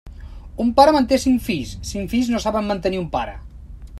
Un pare manté cinc fills; cinc fills no saben mantenir un pare.